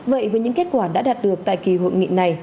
vậy với những kết quả đã đạt được tại kỳ hội nghị này